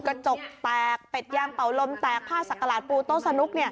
กระจกแตกเป็ดยางเป่าลมแตกผ้าสักกระหลาดปูโต๊ะสนุก